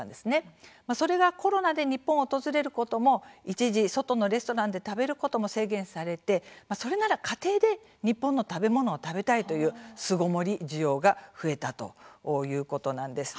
それがコロナで日本を訪れることも一時外のレストランで食べることも制限されてそれなら家庭で日本の食べ物を食べたいという巣ごもり需要が増えたということなんです。